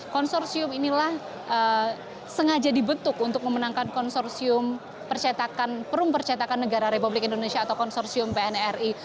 konsorsium inilah sengaja dibentuk untuk memenangkan konsorsium perum percetakan negara republik indonesia atau konsorsium pnri